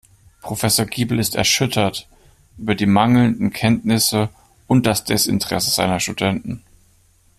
Professor Giebel ist erschüttert über die mangelnden Kenntnisse und das Desinteresse seiner Studenten.